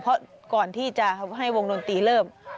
เพราะก่อนที่จะให้วงดนตรีเริ่ม